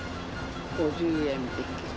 ５０円引き。